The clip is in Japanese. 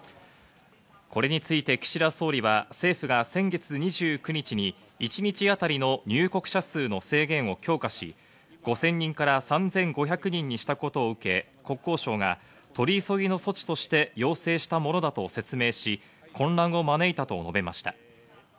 これについて岸田総理は政府が先月２９日に一日当たりの入国者数の制限を強化し、５０００人から３５００人にしたことを受け、国交省が取り急ぎの措置として要請したものだと説明し、混乱を招いたと述べました。